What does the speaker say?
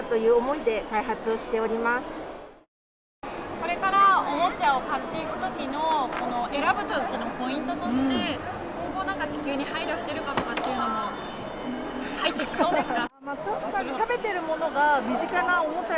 これからおもちゃを買っていくときの選ぶときのポイントとして、今後地球に配慮しているかというのも入ってきそうですか？